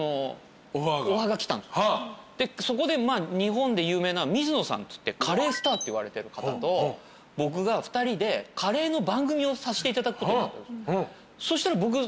でそこで日本で有名な水野さんっつってカレースターっていわれてる方と僕が２人でカレーの番組をさせていただくことになったんです。